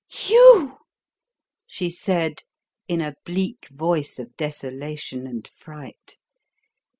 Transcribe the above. "You!" she said in a bleak voice of desolation and fright.